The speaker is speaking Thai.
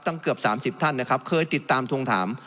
เกือบ๓๐ท่านนะครับเคยติดตามทวงถาม